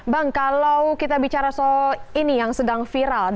bang kalau kita bicara soal ini yang sedang viral